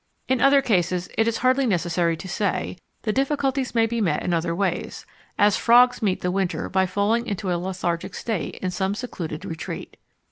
In other cases, it is hardly necessary to say, the difficulties may be met in other ways, as frogs meet the winter by falling into a lethargic state in some secluded retreat.